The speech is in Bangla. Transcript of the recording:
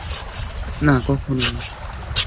না, কখনো না।